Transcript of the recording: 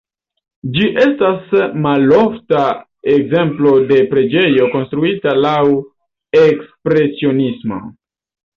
Ĝi estas malofta ekzemplo de preĝejo konstruita laŭ ekspresionismo.